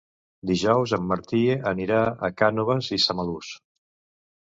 Dijous en Martí anirà a Cànoves i Samalús.